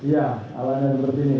ya alatnya seperti ini ya